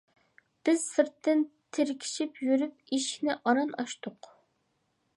بىز سىرتتىن تىركىشىپ يۈرۈپ ئىشىكنى ئاران ئاچتۇق.